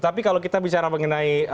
tapi kalau kita bicara mengenai